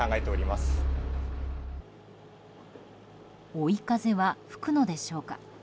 追い風は吹くのでしょうか。